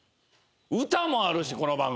歌もあるしこの番組。